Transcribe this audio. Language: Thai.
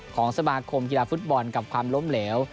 ของสมาคมกีฬาฟุตบอลกับความล้มเหลว